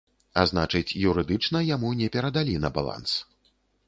А значыць, юрыдычна яму не перадалі на баланс.